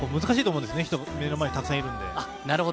難しいと思うんですよね、人が目の前にたくさんいるので。